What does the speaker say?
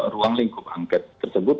ruang lingkup angket tersebut